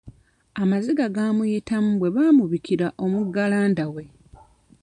Amaziga gaamuyitamu bwe baamubikira omugalanda we.